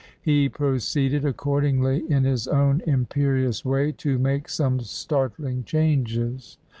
He proceeded, accordingly, in his own imperious way, to make some startling changes.